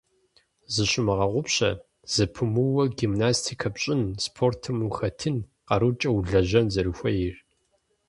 Зыщумыгъэгъупщэ зэпымыууэ гимнастикэ пщӀын, спортым ухэтын, къарукӀэ улэжьэн зэрыхуейр.